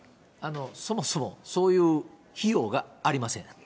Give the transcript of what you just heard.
そもそも、そういう費用がありません。